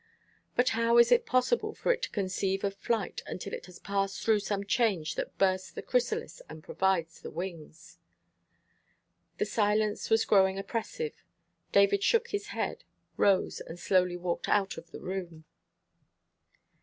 But how is it possible for it to conceive of flight until it has passed through some change that bursts the chrysalis and provides the wings?" The silence was growing oppressive. David shook his head, rose, and slowly walked out of the room.